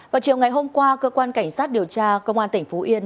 vào chiều ngày hôm qua cơ quan cảnh sát điều tra công an tỉnh phú yên